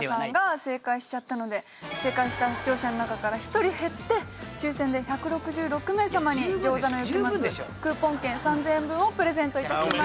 正解した視聴者の中から１人減って抽選で１６６名様に餃子の雪松クーポン券３０００円分をプレゼント致します。